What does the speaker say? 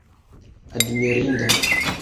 admirinda